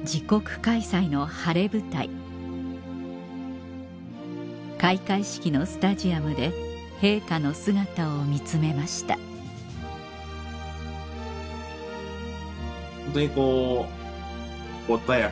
自国開催の晴れ舞台開会式のスタジアムで陛下の姿を見つめましたホントに。